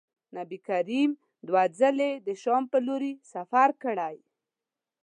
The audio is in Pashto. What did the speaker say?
نبي کریم دوه ځلي د شام پر لوري سفر کړی.